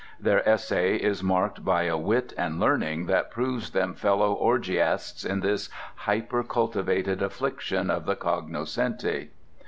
Their essay is marked by a wit and learning that proves them fellow orgiasts in this hypercultivated affliction of the cognoscenti.)